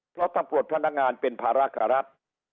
เพราะตำรวจพนักงานเป็นภาระกับรัฐ